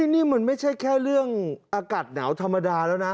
นี่มันไม่ใช่แค่เรื่องอากาศหนาวธรรมดาแล้วนะ